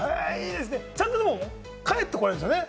でもちゃんと帰ってこられるんですよね？